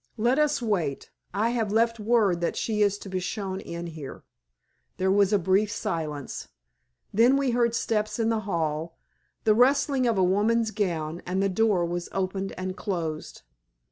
Let us wait, I have left word that she is to be shown in here." There was a brief silence. Then we heard steps in the hall, the rustling of a woman's gown, and the door was opened and closed.